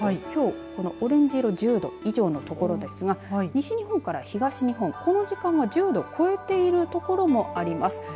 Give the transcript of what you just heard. きょう、このオレンジ色１０度以上の所ですが西日本から東日本、この時間は１０度を超えている所もあります。